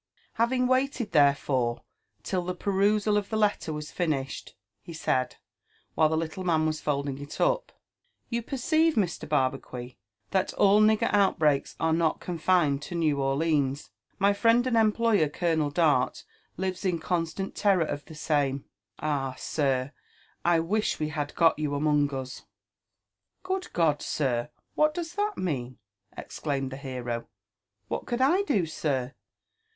Having waited therefore till the perusal of the letter tvaa fiftisbed^ be said, while the little man was folding it up, ''You perceive, Mr. Barbacuit, that all nigger outbreaks are not confined to Ifew Orlines^ * my friend and employer Colonel Dart lives in constant terror of the aame.— Ah 1 tfir, I wish we had got you among us!" " Good God, sir! what does that mean?" exclaimed the b«ro. *' What could I do, sir?